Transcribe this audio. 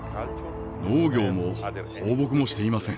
農業も放牧もしていません。